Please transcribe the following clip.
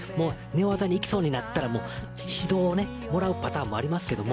寝技にいきそうになったら指導をもらうパターンもあります。